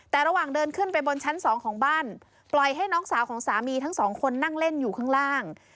แต่ระหว่างเดินขึ้นไปบนชั้นสองของบ้านปล่อยให้น้องสาวของสามีทั้งสองคนนั่งเล่นอยู่ข้างล่าง